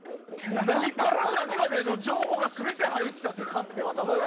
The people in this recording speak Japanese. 何から何までの情報が全て入った手カンペを渡され。